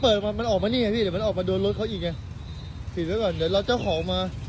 เดี๋ยวมันมันออกมาเนี่ยพี่เดี๋ยวมันออกมาโดนรถเขาอีกไงผิดแล้วก่อนเดี๋ยวรับเจ้าของมา